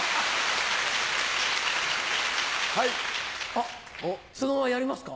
あっそのままやりますか？